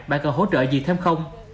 bạn cần hỗ trợ gì thêm không